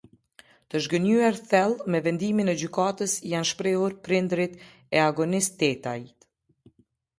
Të zhgënjyer thellë me vendimin e Gjykatës janë shprehur prindërit e Agonis Tetajt.